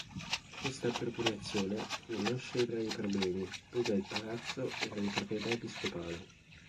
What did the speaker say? Questa appropriazione fu non scevra di problemi, poiché il palazzo era di proprietà episcopale.